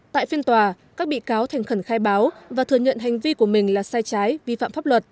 tại phiên tòa các bị cáo thành khẩn khai báo và thừa nhận hành vi của mình là sai trái vi phạm pháp luật